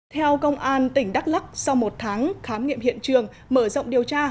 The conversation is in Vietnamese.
theo công an tỉnh đắk lắc sau một tháng khám nghiệm hiện trường mở rộng điều tra